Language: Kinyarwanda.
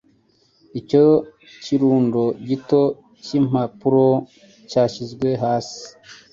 Icyo kirundo gito cy'impapuro cyashyizwe hasi,